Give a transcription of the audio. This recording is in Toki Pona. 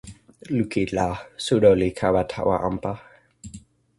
lukin la, suno li kama tawa anpa.